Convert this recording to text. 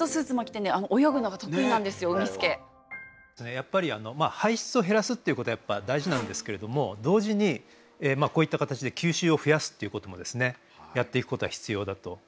やっぱり排出を減らすっていうことは大事なんですけれども同時にこういった形で吸収を増やすっていうこともですねやっていくことが必要だと思います。